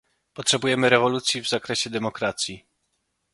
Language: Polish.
Potrzebujemy rewolucji w zakresie demokracji